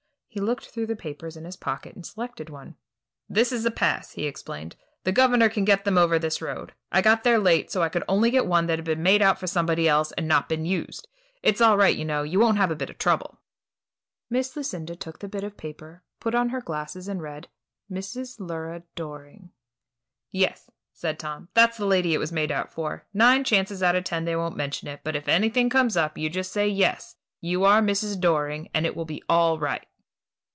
He looked through the papers in his pocket and selected one. "This is a pass," he explained; "the governor can get them over this road. I got there late, so I could only get one that had been made out for somebody else and not been used. It's all right, you know; you won't have a bit of trouble." Miss Lucinda took the bit of paper, put on her glasses, and read, "Mrs. Lura Doring." "Yes," said Tom; "that's the lady it was made out for. Nine chances out of ten they won't mention it; but if anything comes up, you just say yes, you are Mrs. Doring, and it will be all right."